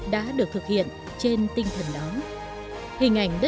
được phong tặng danh hiệu